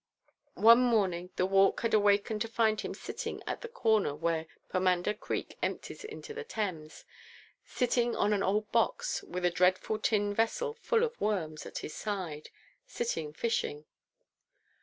One morning the Walk had awakened to find him sitting at the corner where Pomander Creek empties into the Thames; sitting on an old box, with a dreadful tin vessel full of worms at his side; sitting fishing.